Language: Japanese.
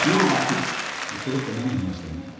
そろって何話してんの？